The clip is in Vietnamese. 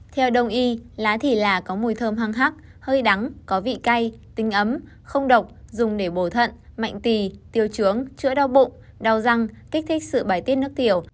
theo đông y lá thì là có mùi thơm hăng hắc hơi đắng có vị cay tinh ấm không độc dùng để bổ thận mạnh tì tiêu chữa đau bụng đau răng kích thích sự bài tiết nước tiểu